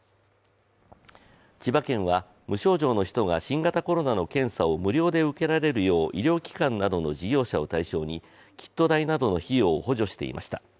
千葉県は無症状の人が新型コロナの検査を無料で受けられるよう医療機関などの事業者を対象に、キット代などの費用を補助していました。